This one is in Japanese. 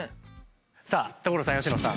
さあ所さん佳乃さん。